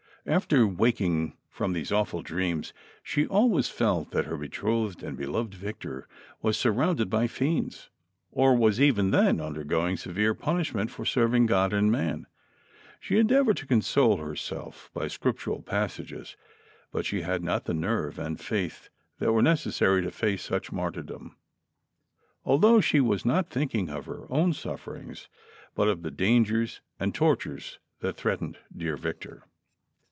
After waking from these awful dreams, she always felt that her betrothed and dearly beloved Victor was sur rounded by fiends, or was even then undergoing severe punishment for serving God and man. She endeavored to console herself by Scriptural passages, but she had not the nerve and faith that were necessary to face such martyr dom. Although, she Avas not thinking of her own suffer ings, but of the dangers and tortures that threatened dear Victor.